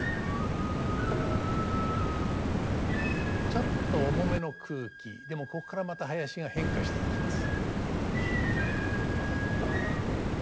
ちょっと重めの空気でもここからまた囃子が変化していきます。